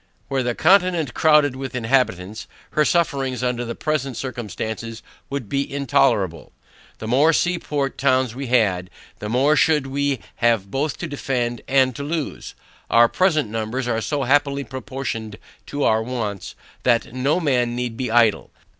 Were the continent crowded with inhabitants, her sufferings under the present circumstances would be intolerable. The more sea port towns we had, the more should we have both to defend and to loose. Our present numbers are so happily proportioned to our wants, that no man need be idle.